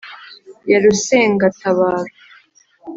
ya rusengatabaro